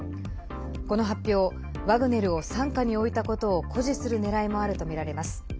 この発表ワグネルを傘下に置いたことを誇示するねらいもあるとみられます。